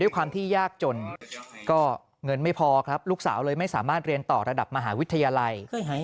ความที่ยากจนก็เงินไม่พอครับลูกสาวเลยไม่สามารถเรียนต่อระดับมหาวิทยาลัย